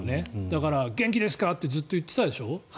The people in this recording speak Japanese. だから、元気ですかーっ！ってずっと言ってたでしょ。